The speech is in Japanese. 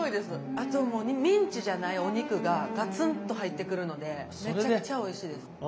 あともうミンチじゃないお肉がガツンと入ってくるのでめちゃくちゃおいしいです。